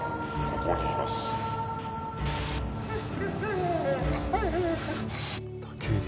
ここにいます武入！